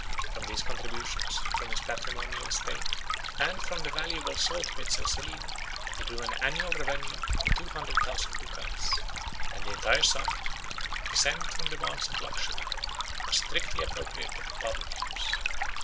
From these contributions, from his patrimonial estate, and from the valuable salt pits of Selina, he drew an annual revenue of two hundred thousand ducats; 39 and the entire sum, exempt from the demands of luxury, was strictly appropriated to the public use.